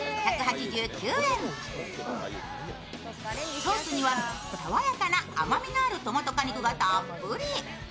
ソースには、さわやかな甘みのあるトマト果肉がたっぷり。